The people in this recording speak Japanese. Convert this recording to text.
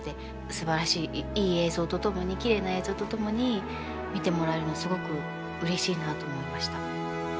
すばらしいいい映像と共にきれいな映像と共に見てもらえるのはすごくうれしいなと思いました。